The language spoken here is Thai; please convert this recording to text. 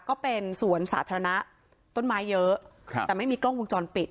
ก็เป็นสวนสาธารณะต้นไม้เยอะครับแต่ไม่มีกล้องวงจรปิด